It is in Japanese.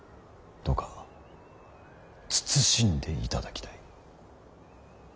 どうか慎んでいただきたい。